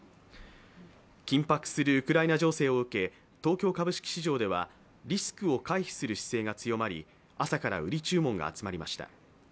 緊迫するウクライナ情勢を受け、東京株式市場ではリスクを回避する姿勢が強まり朝から売り注文が集まりました。